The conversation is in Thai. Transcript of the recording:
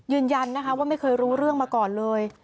ยืนยันนะคะว่าไม่เคยรู้เรื่องมาก่อนเลย